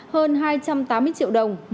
hơn hai trăm tám mươi triệu đồng